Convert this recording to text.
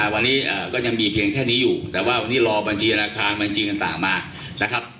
วันนี้ก็ยังมีเพียงแค่นี้อยู่แต่ว่าวันนี้รอบัญชีธนาคารบัญชีต่างมานะครับ